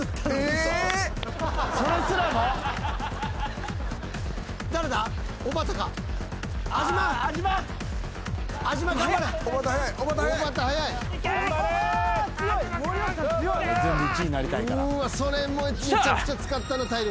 それめちゃくちゃ使ったな体力。